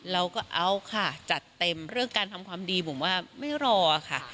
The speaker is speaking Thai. เราก็เอาค่ะจัดเต็มเรื่องการทำความดีบุ๋มว่าไม่รอค่ะ